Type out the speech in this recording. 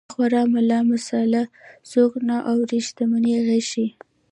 د خوار ملا مساله څوک نه اوري د شتمنۍ اغېز ښيي